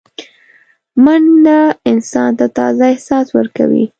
منډه انسان ته تازه احساس ورکوي